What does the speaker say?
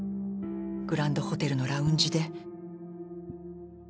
グランドホテルのラウンジで。